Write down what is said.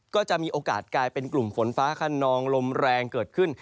ก็จะมีโอกาสกลายเป็นกลุ่มฝนฟ้าขนองลมแรงเกิดขึ้น